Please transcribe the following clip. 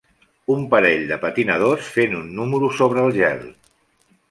Un parell de patinadors fent un número sobre el gel.